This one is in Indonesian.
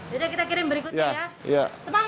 jadi kita kirim berikutnya ya